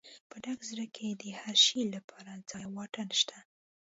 په ډک زړه کې د هر شي لپاره ځای او واټن شته.